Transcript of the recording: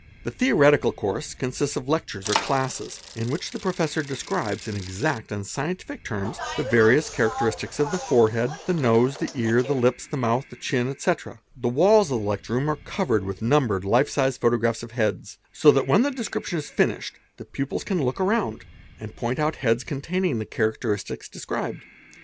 ' The theoretical course consists of lectures or classes in which the | professor describes in exact and scientific terms the various characteris — ics of the forehead, the nose, the ear, the lips, the mouth, the chin, te. The walls of the lecture room are covered with numbered life size Photographs of heads, so that when the description is finished the pupils in look around and point out heads containing the characteristics des | 'bed.